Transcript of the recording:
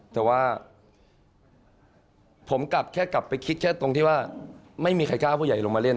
แต่ว่าผมกลับแค่กลับไปคิดแค่ตรงที่ว่าไม่มีใครกล้าผู้ใหญ่ลงมาเล่น